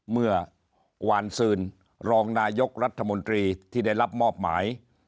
เมื่อวานซืนรองนายกรัฐมนตรีที่ได้รับมอบหมาย